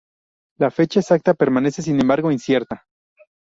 La fecha exacta permanece, sin embargo, incierta.